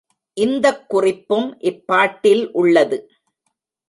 இந்தக் குறிப்பும் இப்பாட்டில் உள்ளது.